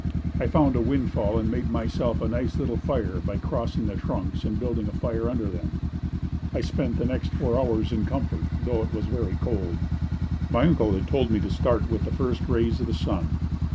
I found a windfall and made myself a nice little fire by crossing the trunks and building a fire under them. I spent the next four hours in comfort, though it was very cold. My uncle had told me to start with the first rays of the sun.